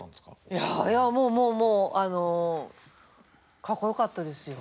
いやいやもうもうもうかっこよかったですよ。